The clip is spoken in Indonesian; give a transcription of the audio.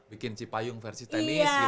bikin cipayung versi tenis